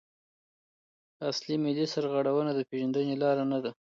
اصل ملي سرغړونه د پیژندني لاره نده.